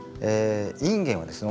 インゲンはですね